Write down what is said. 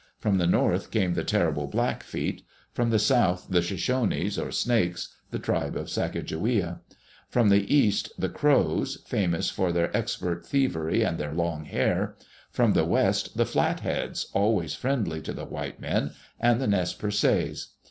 From the north came the terrible Blackfeet; from the south the Shoshones, or Snakes, the tribe of Sacajawea; from the east the Crows, famous for their expert thievery and their long hair; from the west the Flatheads, always friendly to the white men, and the Nez Perces.